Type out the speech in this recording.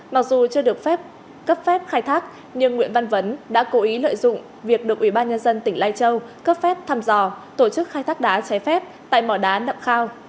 mặc dù chưa được phép cấp phép khai thác nhưng nguyễn văn vấn đã cố ý lợi dụng việc được ủy ban nhân dân tỉnh lai châu cấp phép thăm dò tổ chức khai thác đá trái phép tại mỏ đá nậm khao